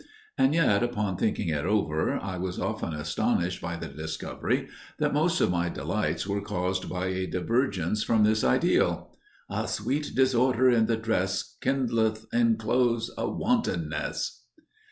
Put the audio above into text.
And yet, upon thinking it over, I was often astonished by the discovery that most of my delights were caused by a divergence from this ideal. "A sweete disorder in the dress kindleth in cloathes a wantonness!"